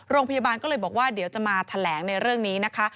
โรงพยาบาลก็เลยบอกว่าเดี๋ยวจะมาแถลงในเรื่องนี้นะคะ